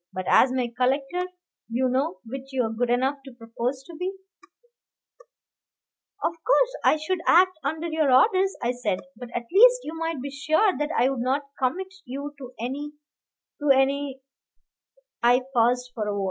But as my collector, you know, which you are good enough to propose to be " "Of course I should act under your orders," I said; "but at least you might be sure that I would not commit you to any to any " I paused for a word.